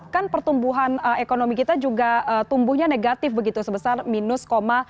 kan pertumbuhan ekonomi kita juga tumbuhnya negatif begitu sebesar minus lima tiga puluh dua